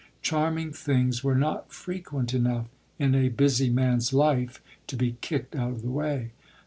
Charming things were not frequent enough in a busy man's life to be kicked out of the way.